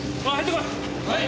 はい。